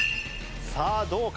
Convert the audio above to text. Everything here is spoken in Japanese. さあどうか？